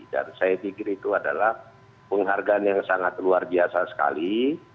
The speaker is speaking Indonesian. dan saya pikir itu adalah penghargaan yang sangat luar biasa sekali